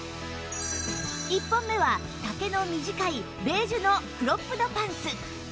１本目は丈の短いベージュのクロップドパンツ